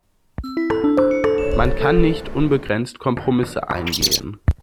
Man kann nicht unbegrenzt Kompromisse eingehen.